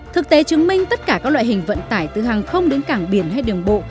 thực tế chứng minh tất cả các loại hình vận tải từ hàng không đến cảng biển hay đường bộ